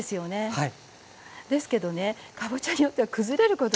はい。